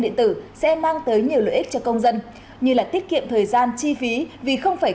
điện tử sẽ mang tới nhiều lợi ích cho công dân như tiết kiệm thời gian chi phí vì không phải